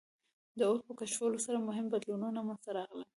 د اور په کشفولو سره مهم بدلونونه منځ ته راغلل.